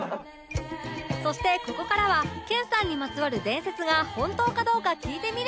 そしてここからは研さんにまつわる伝説が本当かどうか聞いてみる！